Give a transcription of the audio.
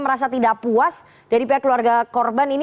merasa tidak puas dari pihak keluarga korban ini